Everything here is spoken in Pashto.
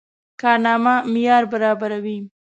کارنامه معیار برابره وه.